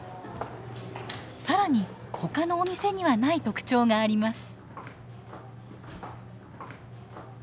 更にほかのお店にはない特徴があります。